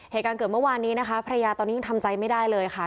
เหตุการณ์เกิดเมื่อวานนี้นะคะภรรยาตอนนี้ยังทำใจไม่ได้เลยค่ะ